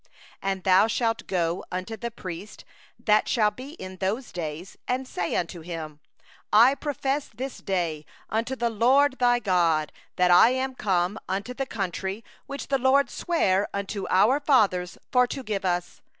3And thou shalt come unto the priest that shall be in those days, and say unto him: 'I profess this day unto the LORD thy God, that I am come unto the land which the LORD swore unto our fathers to give us.